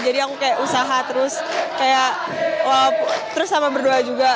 jadi aku kayak usaha terus kayak terus sama berdua juga